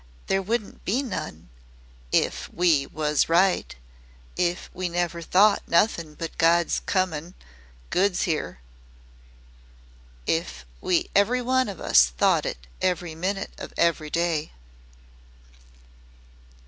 "There wouldn't be none if WE was right if we never thought nothin' but 'Good's comin' good 's 'ere.' If we everyone of us thought it every minit of every day."